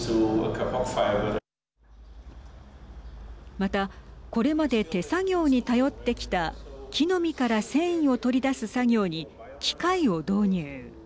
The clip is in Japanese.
またこれまで手作業に頼ってきた木の実から繊維を取り出す作業に機械を導入。